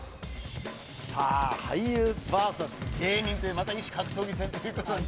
俳優ＶＳ芸人というまた異種格闘技戦ということに。